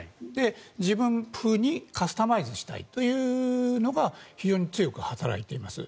自分ふうにカスタマイズしたいというのが非常に強く働いています。